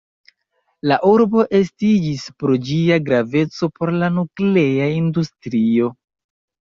La urbo estiĝis pro ĝia graveco por la nuklea industrio.